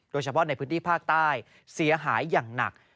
โดยเฉพาะในพื้นที่ภาคใต้เสียหายอย่างหนัก